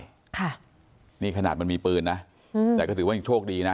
ค่ะนี่ขนาดมันมีปืนนะอืมแต่ก็ถือว่ายังโชคดีนะ